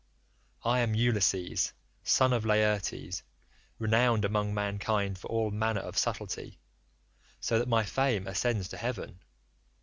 I am Ulysses son of Laertes, renowned among mankind for all manner of subtlety, so that my fame ascends to heaven.